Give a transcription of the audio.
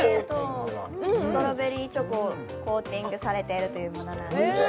ストロベリーチョコをコーティングされているということです。